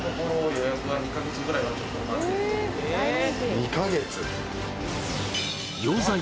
２カ月？